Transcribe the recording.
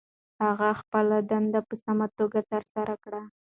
هغه خپله دنده په سمه توګه ترسره کړه.